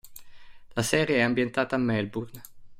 La serie è ambientata a Melbourne.